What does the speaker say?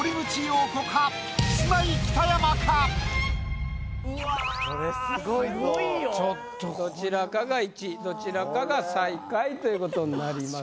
・うわ・・これすごいぞ・どちらかが１位どちらかが最下位ということになりますが。